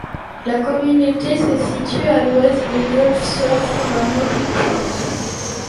La communauté se situe à l'ouest de Gulf Shores sur la Mobile Point.